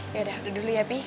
yaudah udah dulu ya bi